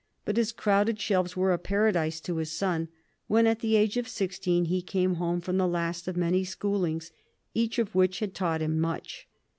But his crowded shelves were a paradise to his son when at the age of sixteen he came home from the last of many schoolings, each of which had taught him much.